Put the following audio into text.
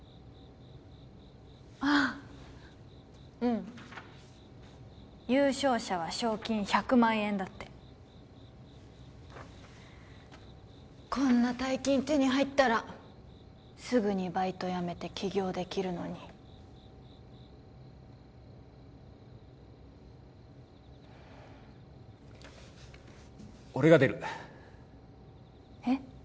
ああうん優勝者は賞金１００万円だってこんな大金手に入ったらすぐにバイト辞めて起業できるのに俺が出るえっ？